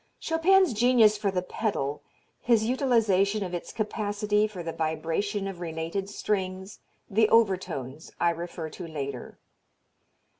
Chopin's genius for the pedal, his utilization of its capacity for the vibration of related strings, the overtones, I refer to later.